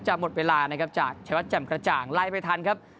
หมดเวลานะครับจากชายวัดแจ่มกระจ่างไล่ไปทันครับ